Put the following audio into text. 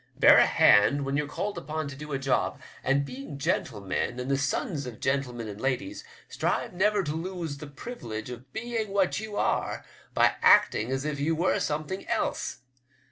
Bear a hand when you're called upon to do a job, and being gentlemen, and the WEEVWS LECTURE. 181 8onB of gentlemen and ladies, strive never to lose the privilege of being what you are, by acting as if you were something else.